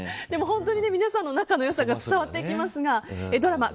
本当に皆さんの仲の良さが伝わってきますがドラマ